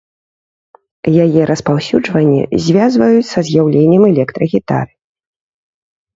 Яе распаўсюджванне звязваюць са з'яўленнем электрагітары.